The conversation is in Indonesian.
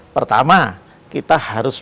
pertama kita harus